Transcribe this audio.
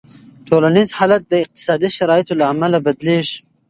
ټولنیز حالت د اقتصادي شرایطو له امله بدلېږي.